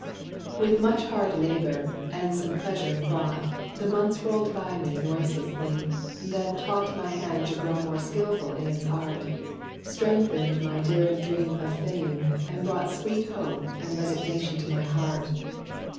_ With much hard labor and some pleasure fraught, The months rolled by me noiselessly, that taught My hand to grow more skillful in its art, Strengthened my daring dream of fame, and brought Sweet hope and resignation to my heart.